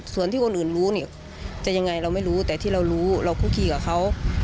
ส่วนที่คนอื่นรู้เนี่ยจะยังไงเราไม่รู้แต่ที่เรารู้เราคุกคีกับเขา